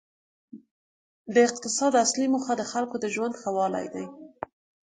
د اقتصاد اصلي موخه د خلکو د ژوند ښه والی دی.